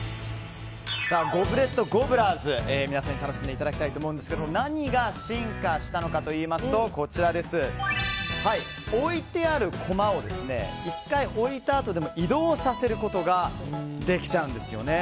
ゴブレットゴブラーズを皆さんに楽しんでいただきたいと思いますが何が進化したのかといいますと置いてあるコマを１回置いたあとでも移動させることができちゃうんですよね。